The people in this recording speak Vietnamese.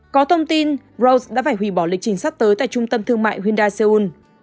có thông tin rose đã phải hủy bỏ lịch trình sắp tới tại trung tâm thương mại hyundai seoul